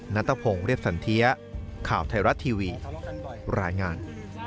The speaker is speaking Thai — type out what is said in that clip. นัทพงศ์เรียบสันเทียข่าวไทยรัฐทีวีรายงาน